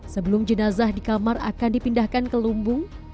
sebelum jenazah di kamar akan dipindahkan ke lumbung